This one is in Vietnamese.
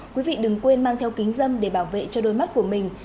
quý vị đừng quên mang theo kính dâm để bảo vệ cho đôi mắt của mình